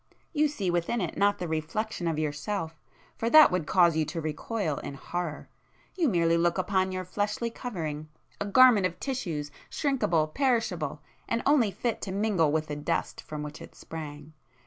You see within it not the reflection of yourself, for that would cause you to recoil in horror, ... you merely look upon your fleshly covering, a garment of tissues, shrinkable, perishable, and only fit to mingle with the dust from which it sprang.